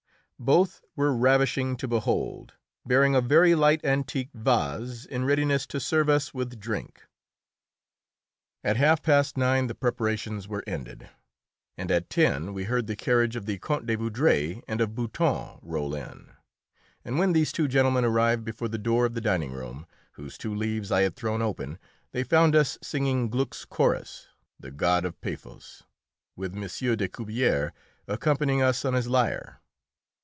Both were ravishing to behold, bearing a very light antique vase, in readiness to serve us with drink. At half past nine the preparations were ended, and at ten we heard the carriage of the Count de Vaudreuil and of Boutin roll in, and when these two gentlemen arrived before the door of the dining room, whose two leaves I had thrown open, they found us singing Gluck's chorus, "The God of Paphos," with M. de Cubières accompanying us on his lyre.